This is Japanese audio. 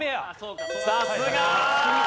さすが！